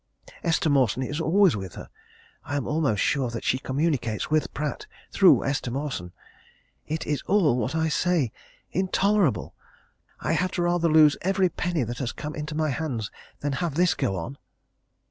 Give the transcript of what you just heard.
Esther Mawson is always with her. I am almost sure that she communicates with Pratt through Esther Mawson. It is all what I say intolerable! I had rather lose every penny that has come into my hands than have this go on."